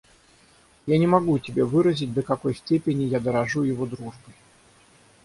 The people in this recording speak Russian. Я не могу тебе выразить, до какой степени я дорожу его дружбой.